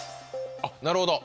あっなるほど。